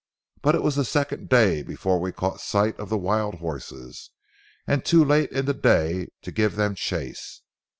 But it was the second day before we caught sight of the wild horses, and too late in the day to give them chase.